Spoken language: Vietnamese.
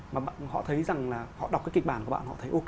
mà họ thấy rằng là họ đọc cái kịch bản của bạn họ thấy úc